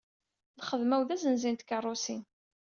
Lxedma-w d azenzi n tkeṛṛusin.